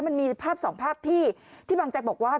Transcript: มันมีภาพสองภาพที่บางแจ๊กบอกว่า